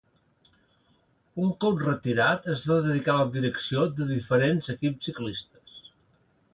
Un cop retirat es va dedicar a la direcció de diferents equips ciclistes.